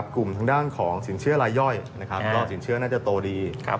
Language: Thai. กลุ่มทางด้านของสินเชื่อรายย่อยสินเชื่อน่าจะโตดี